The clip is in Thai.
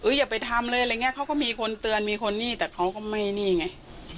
อย่าไปทำเลยอะไรอย่างนี้เขาก็มีคนเตือนมีคนนี่แต่เขาก็ไม่นี่ไง